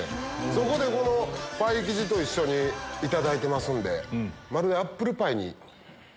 そこでこのパイ生地と一緒にいただいてますんで。